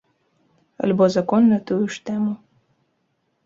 Альбо закон на тую ж тэму.